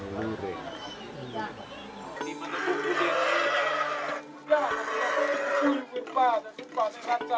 ia dianggap sebagai pernikahan yang menjengkelkan